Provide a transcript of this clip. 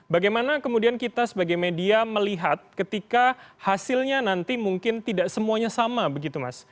bagaimana kemudian kita sebagai media melihat ketika hasilnya nanti mungkin tidak semuanya sama begitu mas